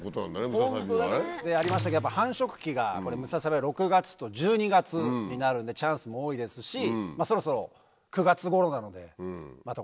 ムササビはね。ありましたけど繁殖期がムササビは６月と１２月になるんでチャンスも多いですしそろそろ９月頃なのでまた